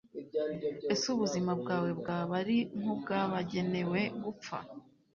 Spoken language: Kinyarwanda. ese ubuzima bwawe bwaba ari nk'ubw'abagenewe gupfa